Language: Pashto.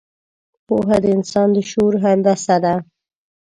پوهه د انسان د شعور هندسه ده.